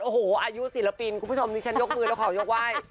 โอ้โหอายุศิลปินคุณผู้ชมดิฉันยกมือแล้วขอยกไหว้